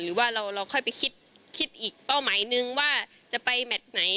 หรือว่าเราค่อยไปคิดอีกเป้าหมายนึงว่าจะไปแมทไหน